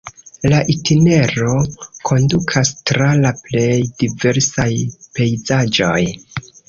La itinero kondukas tra la plej diversaj pejzaĝoj.